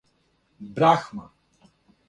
Брахма